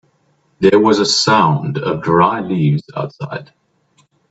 There was a sound of dry leaves outside.